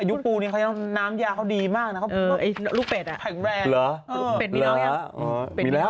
อายุปูนี้เค้ามีน้ำยาหรือเดียวเขาดีมากนะ